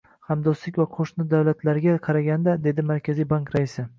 Hamdo'stlik va qo'shni davlatlarga qaraganda ”,- dedi Markaziy bank raisi